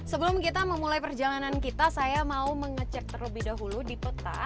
sebelum kita memulai perjalanan kita saya mau mengecek terlebih dahulu di peta